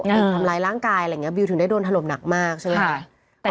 ถูกทำร้ายร่างกายอะไรอย่างนี้บิวถึงได้โดนถล่มหนักมากใช่ไหมคะ